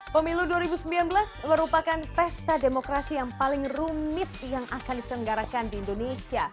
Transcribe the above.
pemilu dua ribu sembilan belas merupakan pesta demokrasi yang paling rumit yang akan diselenggarakan di indonesia